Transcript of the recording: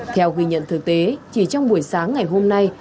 theo ghi nhận thực tế chỉ trong buổi sáng ngày hôm nay